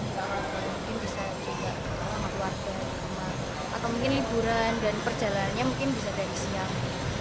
mungkin bisa juga sama keluarga atau mungkin liburan dan perjalanannya mungkin bisa dari siang